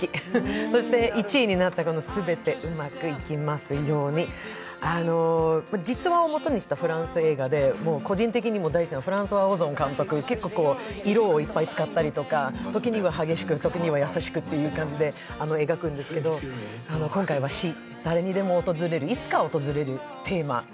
そして１位になった「すべてうまくいきますように」実話をもとにしたフランス映画で個人的にも大好きなフランソワ・オゾン監督、結構色をいっぱい使ったりとか、時には激しく、時には優しくって感じで描くんですけど、今回は死、誰にでもいつかは訪れるテーマ。